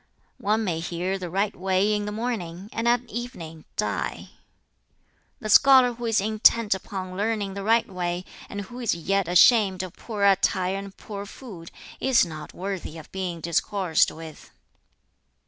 "One may hear the right way in the morning, and at evening die. "The scholar who is intent upon learning the right way, and who is yet ashamed of poor attire and poor food, is not worthy of being discoursed with.